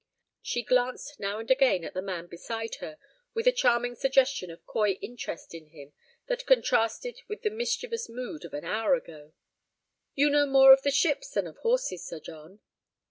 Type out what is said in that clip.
She glanced now and again at the man beside her with a charming suggestion of coy interest in him that contrasted with the mischievous mood of an hour ago. "You know more of ships than of horses, Sir John?"